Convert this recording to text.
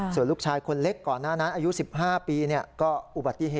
ส่วนลูกชายคนเล็กก่อนหน้านั้นอายุ๑๕ปี